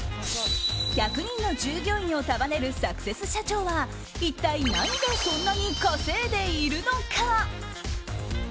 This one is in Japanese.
１００人の従業員を束ねるサクセス社長は一体、何でそんなに稼いでいるのか？